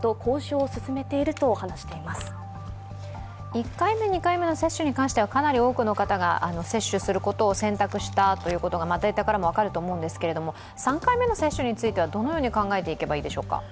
１回目、２回目の接種に関してはかなり多くの方が接種することを選択したということがデータから見ても分かるんですが３回目の接種については、どのように考えていけばいいでしょうか？